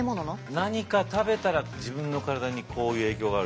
何か食べたら自分の体にこういう影響がある。